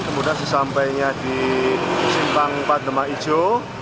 kemudian sesampainya di simpang empat lemah ijo